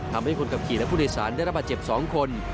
ทำให้คนขับขี่และผู้โดยสารได้รับบาดเจ็บ๒คน